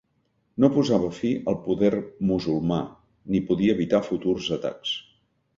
No posava fi al poder musulmà, ni podia evitar futurs atacs.